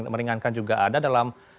meringankan juga ada dalam